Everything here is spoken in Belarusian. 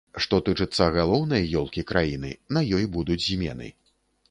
Што тычыцца галоўнай ёлкі краіны, на ёй будуць змены.